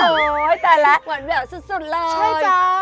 โอ้ยจาละหวัดแววสุดสุดเลยใช่จ้า